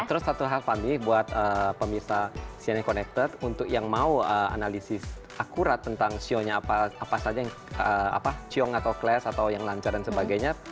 terus satu hal fami buat pemirsa cnn connected untuk yang mau analisis akurat tentang sionya apa saja ciong atau cles atau yang lancar dan sebagainya